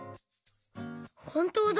ほんとうだ。